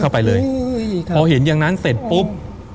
พอเห็นอย่างนั้นเสร็จปุ๊บ